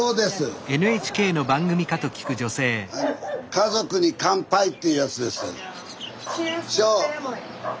「家族に乾杯」っていうやつです。